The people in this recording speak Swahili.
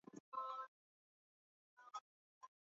mitindo wa maisha unaweza kuongeza tatizo